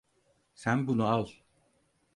Sen bunu al.